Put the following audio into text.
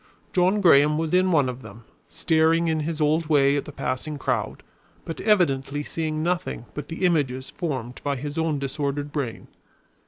John Graham was in one of them, staring in his old way at the passing crowd, but evidently seeing nothing but the images formed by his own disordered brain.